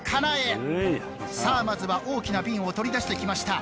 さあまずは大きな瓶を取り出してきました。